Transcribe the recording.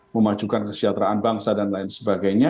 memajukan kesejahteraan bangsa dan lain sebagainya